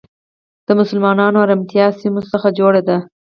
د مسلمانو او ارمنیایي سیمو څخه جوړه ده.